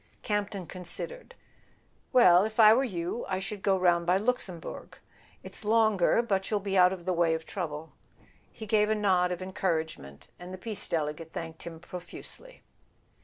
Camp ton considered. "Well, if I were you, I should go round by Luxembourg—it's longer, but you'll be out of the way of trouble." He gave a nod of encour¬ agement, and the Peace Delegate thanked him pro¬ fusely.